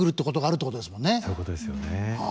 そういうことですよね。